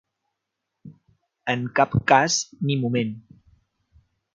En cap cas ni moment.